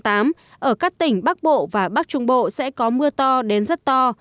từ một mươi bảy tháng tám ở các tỉnh bắc bộ và bắc trung bộ sẽ có mưa to đến rất to